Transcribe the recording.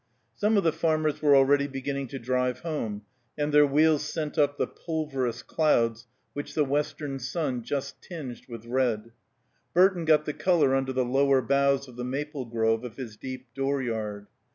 Some of the farmers were already beginning to drive home, and their wheels sent up the pulverous clouds which the western sun just tinged with red; Burton got the color under the lower boughs of the maple grove of his deep door yard.